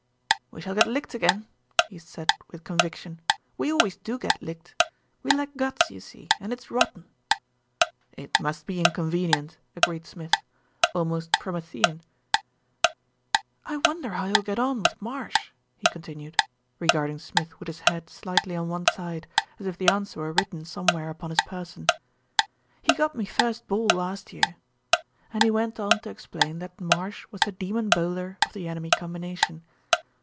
"We shall get licked again," he said with conviction. "We always do get licked. We lack guts, you see, and it's rotten." "It must be inconvenient," agreed Smith, "almost Promethean." "I wonder how you'll get on with Marsh," he con tinued, regarding Smith with his head slightly on one side, as if the answer were written somewhere upon his person. "He got me first ball last year," and he went on to explain that Marsh was the demon bowler of the enemy combination.